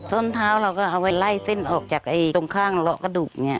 ้นเท้าเราก็เอาไว้ไล่เส้นออกจากตรงข้างเลาะกระดูกเนี่ย